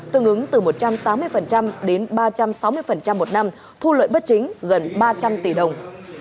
tương ứng từ một trăm tám mươi đến ba trăm sáu mươi một năm thu lợi bất chính gần ba trăm linh tỷ đồng